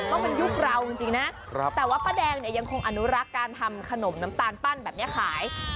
ต้องเป็นยุคเราจริงนะแต่ว่าป้าแดงเนี่ยยังคงอนุรักษ์การทำขนมน้ำตาลปั้นแบบนี้ขาย